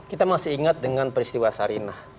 kita masih ingat dengan peristiwa sarinah